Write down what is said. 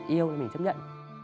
yêu thì mình chấp nhận